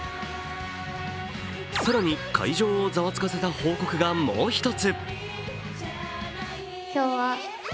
更に会場をざわつかせた報告がもう一つ。